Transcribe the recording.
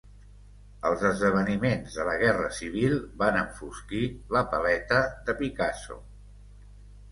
Els esdeveniments de la guerra civil van enfosquir la paleta de Picasso.